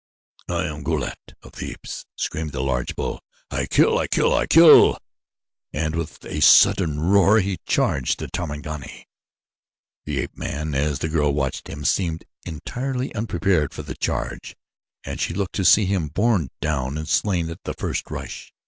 "I am Go lat, King of the Apes," screamed the great bull. "I kill! I kill! I kill!" and with a sullen roar he charged the Tarmangani. The ape man, as the girl watched him, seemed entirely unprepared for the charge and she looked to see him borne down and slain at the first rush.